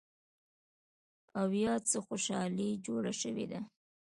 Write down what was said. او يا څه خوشحالي جوړه شوې ده